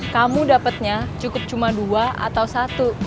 kamu dapatnya cukup cuma dua atau satu